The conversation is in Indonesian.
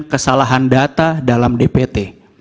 kesalahan data dalam dpt